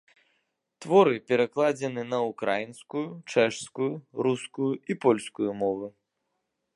Творы перакладзены на ўкраінскую, чэшскую, рускую і польскую мовы.